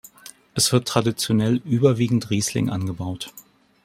Es wird traditionell überwiegend Riesling angebaut.